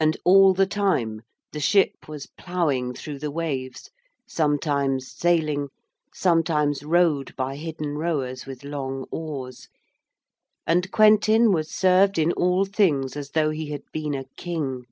And all the time the ship was ploughing through the waves, sometimes sailing, sometimes rowed by hidden rowers with long oars. And Quentin was served in all things as though he had been a king.